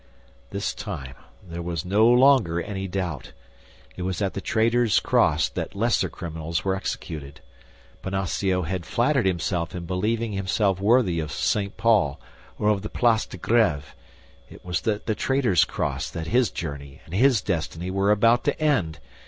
This time there was no longer any doubt; it was at the Traitor's Cross that lesser criminals were executed. Bonacieux had flattered himself in believing himself worthy of St. Paul or of the Place de Grêve; it was at the Traitor's Cross that his journey and his destiny were about to end!